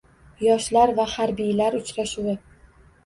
Yoshlar va harbiylar uchrashuvi